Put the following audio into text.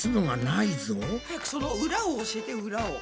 早くその裏を教えて裏を。